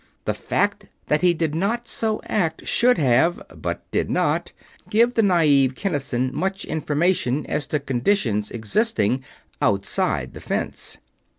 The fact that he did not so act should have, but did not, give the naive Kinnison much information as to conditions existing Outside the Fence.